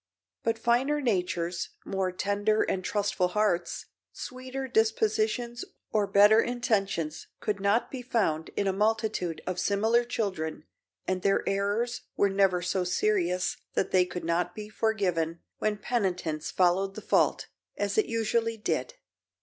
But finer natures, more tender and trustful hearts, sweeter dispositions or better intentions could not be found in a multitude of similar children and their errors were never so serious that they could not be forgiven when penitence followed the fault, as it usually did.